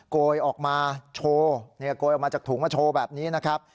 โกยออกมาโชว์โกยออกมาจากถุงมาโชว์แบบนี้นะครับ